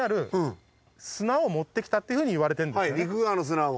持ってきたっていうふうにいわれてるんですよね。